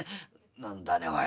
「何だねおい